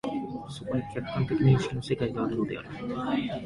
そこに客観的認識の世界があるのである。